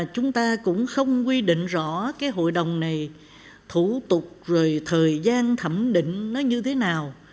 chúng ta cũng không quy định rõ cái hội đồng này thủ tục rồi thời gian thẩm định nó như thế nào